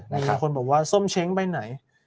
มีคนบอกว่าส้มเช้งไปไหน